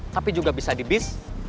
tapi juga bisa dilakukan di kampung